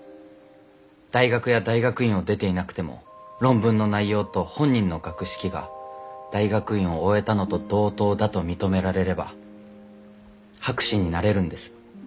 大学や大学院を出ていなくても論文の内容と本人の学識が大学院を終えたのと同等だと認められれば博士になれるんです。